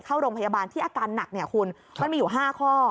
เข้าโรงพยาบาลที่อาการหนักมันมีอยู่๕ข้อ